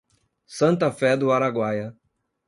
Santa Fé do Araguaia